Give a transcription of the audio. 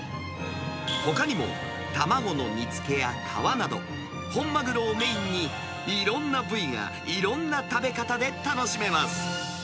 ほかにも、卵の煮つけや皮など、本マグロをメインにいろんな部位がいろんな食べ方で楽しめます。